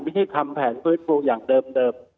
ไม่ได้ทำแผนพื้นภูอย่างเดิม